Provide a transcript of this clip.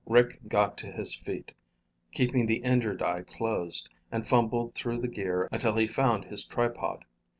Rick got to his feet, keeping the injured eye closed, and fumbled through the gear until he found his tripod.